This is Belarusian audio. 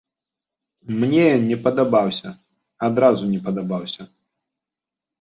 Мне ён не падабаўся, адразу не падабаўся.